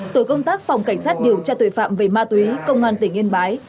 tổ công tác phòng cảnh sát điều tra tội phạm về ma túy công an tỉnh yên bái